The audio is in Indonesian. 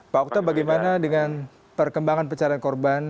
pak okto bagaimana dengan perkembangan pencarian korban